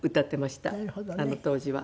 あの当時は。